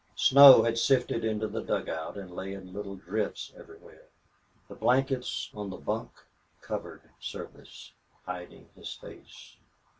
Snow had sifted into the dugout and lay in little drifts everywhere. The blankets on the bunk covered Service, hiding his face.